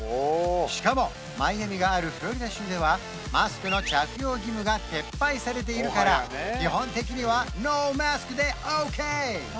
しかもマイアミがあるフロリダ州ではマスクの着用義務が撤廃されているから基本的にはノーマスクでオーケー！